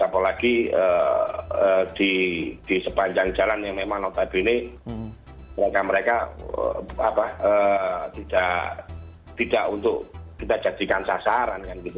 apalagi di sepanjang jalan yang memang notabene mereka mereka tidak untuk kita jadikan sasaran